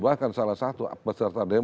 bahkan salah satu peserta demo